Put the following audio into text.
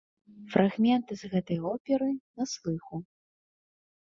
Фрагменты з гэтай оперы на слыху.